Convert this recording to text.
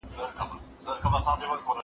زه به سبا ږغ اورم وم؟